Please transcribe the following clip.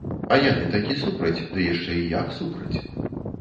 А яны такі супраць, ды яшчэ і як супраць.